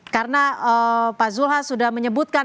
karena pak zulha sudah menyebutkan